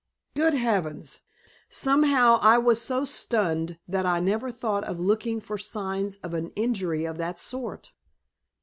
"Good Heavens! Somehow, I was so stunned that I never thought of looking for signs of any injury of that sort."